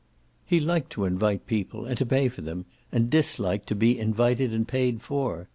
He liked to invite people and to pay for them, and disliked to be invited and paid for.